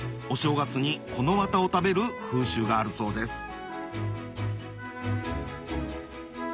お正月にこのわたを食べる風習があるそうです